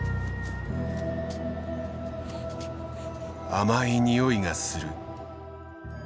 甘いにおいがする。